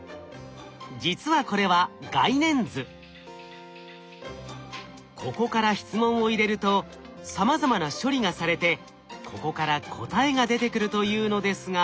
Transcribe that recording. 実はこれはここから質問を入れるとさまざまな処理がされてここから答えが出てくるというのですが。